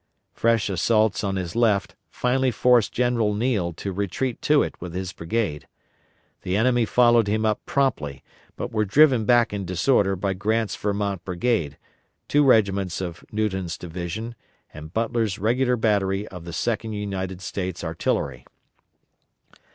Fresh assaults on his left finally forced General Neill to retreat to it with his brigade. The enemy followed him up promptly, but were driven back in disorder by Grant's Vermont brigade, two regiments of Newton's division and Butler's regular battery of the 2d United States Artillery.